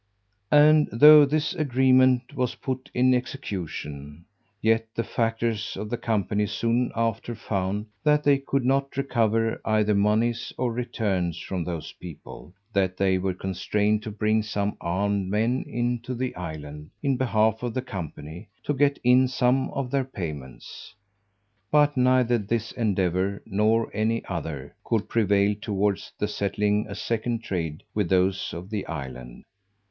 And though this agreement was put in execution, yet the factors of the company soon after found that they could not recover either monies or returns from those people, that they were constrained to bring some armed men into the island, in behalf of the company, to get in some of their payments. But neither this endeavour, nor any other, could prevail towards the settling a second trade with those of the island.